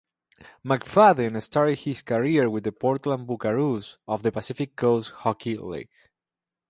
McFadden started his career with the Portland Buckaroos of the Pacific Coast Hockey League.